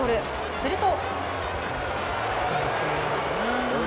すると。